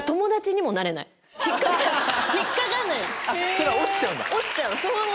それは落ちちゃうんだ！